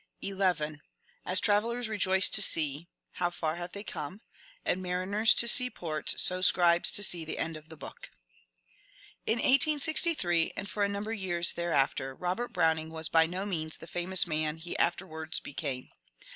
" As travellers rejoice to see [how far they have come ?], and mariners to see the port, so scribes to see the end of the book." In 1863, and for a number of years after, Bobert Brown ing was by no means the famous man he afterwards became.